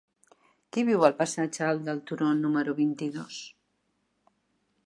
Qui viu al passatge Alt del Turó número vint-i-dos?